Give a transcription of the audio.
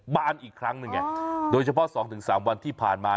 บ้านอีกครั้งหนึ่งเนี้ยโดยเฉพาะสองถึงสามวันที่ผ่านมา